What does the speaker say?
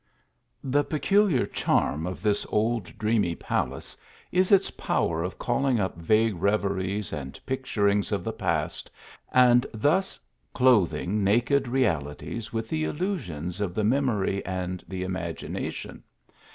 THE peculiar charm of this old dreamy palace, is its power of calling up vague reveries and picturin.gs of the past, and thus clothing naked realities with the illusions of the memory and the imagination.